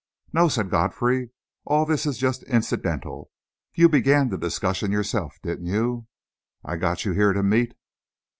"No," said Godfrey, "all this is just incidental you began the discussion yourself, didn't you? I got you here to meet...."